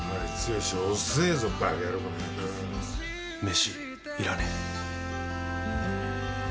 飯いらねえ。